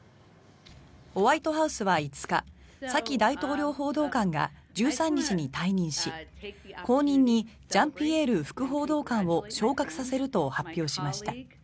ホワイトハウスは５日サキ大統領報道官が１３日に退任し後任にジャンピエール副報道官を昇格させると発表しました。